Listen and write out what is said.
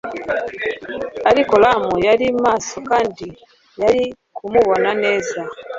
ariko rum yari maso kandi yari kumubona neza,